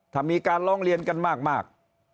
ถ้ามีการร้องเรียนกันมาก